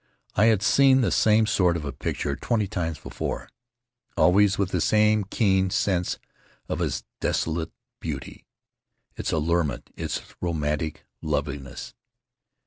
I had seen the same sort of a picture twenty times before, always with the same keen sense of its desolate beauty, its allurement, its romantic loveliness.